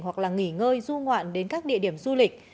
hoặc là nghỉ ngơi du ngoạn đến các địa điểm du lịch